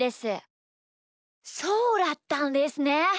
そうだったんですね。